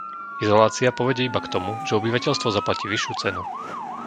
Izolácia povedie iba k tomu, že obyvateľstvo zaplatí vyššiu cenu.